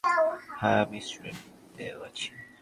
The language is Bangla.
হ্যাঁ, আমি স্টুডিওতে আছি।